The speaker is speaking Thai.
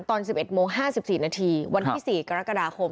ตอน๑๑โมง๕๔นาทีวันที่๔กรกฎาคม